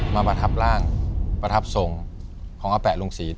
มาประทับร่างประทับทรงของอาแปะลุงศีล